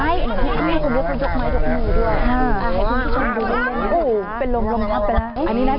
อันนี้ก็ยกไม้ยกมือด้วย